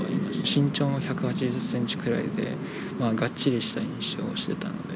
身長も１８０センチぐらいで、がっちりした印象してたんで。